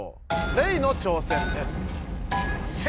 レイの挑戦です。